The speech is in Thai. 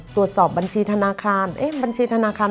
ตรวจสอบบัญชีธนาคาร